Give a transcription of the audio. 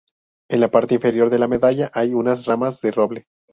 En la parte inferior de la medalla hay unas ramas de roble.